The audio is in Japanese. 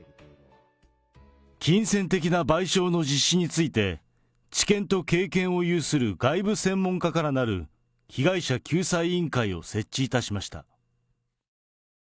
金銭的な賠償の実施について、知見と経験を有する外部専門家からなる被害者救済委員会を設置いたしました。